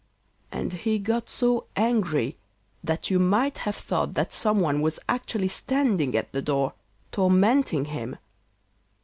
And he got so angry that you might have thought that some one was actually standing at the door, tormenting him.